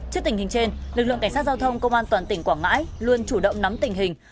trước tình hình trên lực lượng cảnh sát giao thông công an toàn tỉnh quảng ngãi luôn chủ động nắm tình hình